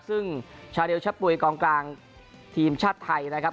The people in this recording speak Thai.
ซึ่งชาเดลชะปุ๋ยกองกลางทีมชาติไทยนะครับ